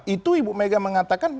itu ibu mega mengatakan